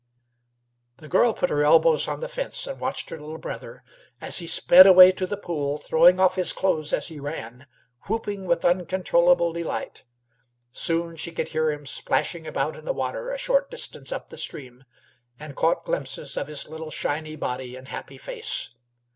The girl put her elbows on the fence and watched her little brother as he sped away to the pool, throwing off his clothes as he ran, whooping with uncontrollable delight. Soon she could hear him splashing about in the water a short distance up the stream, and caught glimpses of his little shiny body and happy face.